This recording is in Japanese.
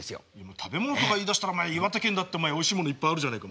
食べ物とか言いだしたら岩手県だっておいしいものいっぱいあるじゃねえか。